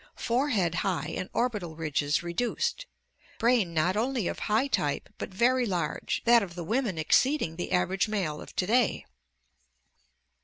Forehead high and orbital ridges reduced. Brain not only of high type but very large, that of the women exceeding the average male of to day.